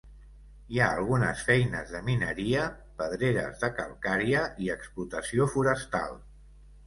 Hi ha algunes feines de mineria, pedreres de calcària i explotació forestal.